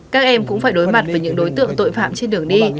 các em cũng phải đối mặt với những đối tượng tội phạm trên đường đi